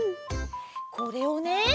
これをね